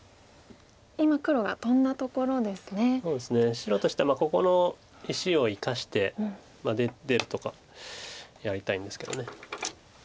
白としてはここの石を生かして出るとかやりたいんですけど。